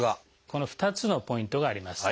この２つのポイントがあります。